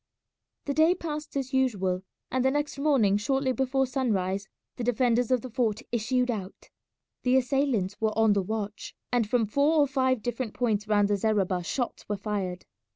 The day passed as usual, and the next morning shortly before sunrise the defenders of the fort issued out. The assailants were on the watch, and from four or five different points round the zareba shots were fired.